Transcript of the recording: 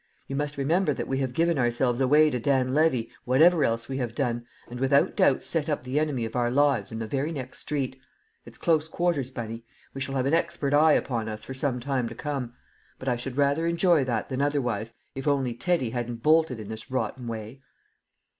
You must remember that we have given ourselves away to Dan Levy, whatever else we have done, and without doubt set up the enemy of our lives in the very next street. It's close quarters, Bunny; we shall have an expert eye upon us for some time to come. But I should rather enjoy that than otherwise, if only Teddy hadn't bolted in this rotten way."